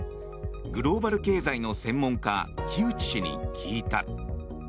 グローバル経済の専門家木内氏に聞いた。